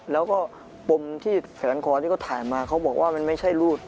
แล้วก็ปมที่แขนคอที่เขาถ่ายมาเขาบอกว่ามันไม่ใช่รูด